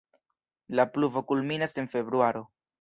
La pluvo kulminas en februaro.